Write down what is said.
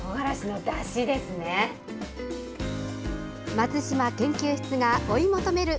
松島研究室が追い求める